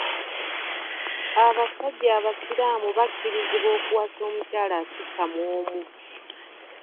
Abasajja abasiraamu bakkirizibwa okuwasa omukyala asukka mu omu.